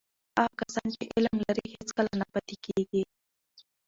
هغه کسان چې علم لري، هیڅکله نه پاتې کېږي.